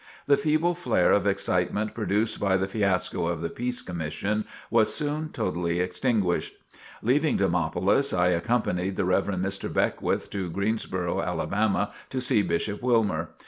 The feeble flare of excitement produced by the fiasco of the Peace Commission was soon totally extinguished. Leaving Demopolis, I accompanied the Rev. Mr. Beckwith to Greensboro, Alabama, to see Bishop Wilmer.